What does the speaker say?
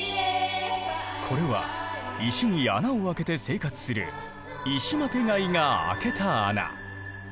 これは石に穴をあけて生活する「イシマテガイ」があけた穴。